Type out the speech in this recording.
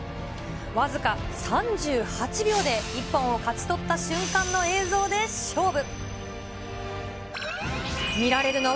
僅か３８秒で一本を勝ち取った瞬間の映像で勝負。